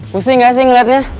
pusing gak sih ngeliatnya